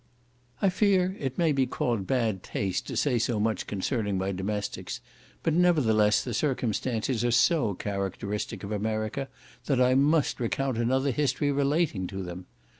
I fear it may be called bad taste to say so much concerning my domestics, but, nevertheless, the circumstances are so characteristic of America that I must recount another history relating to them.